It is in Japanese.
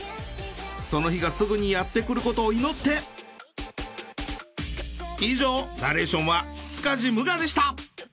その日がすぐにやってくることを祈って以上ナレーションは塚地武雅でした！